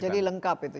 jadi lengkap itu